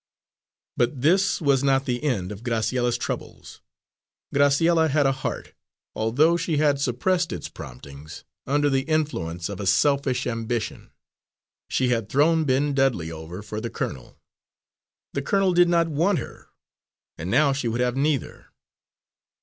But this was not the end of Graciella's troubles. Graciella had a heart, although she had suppressed its promptings, under the influence of a selfish ambition. She had thrown Ben Dudley over for the colonel; the colonel did not want her, and now she would have neither.